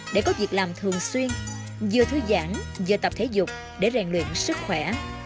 để có việc làm thường xuyên vừa thư giãn vừa tập thể dục để rèn luyện sức khỏe